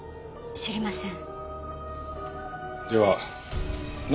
知りません。